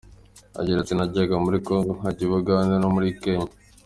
Agira ati : “Najyaga muri Congo, nkajya i Bugande, no muri Kenya.